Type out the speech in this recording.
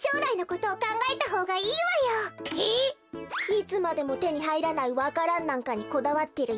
いつまでもてにはいらないわか蘭なんかにこだわってるよりさ。